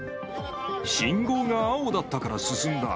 信号が青だったから進んだ。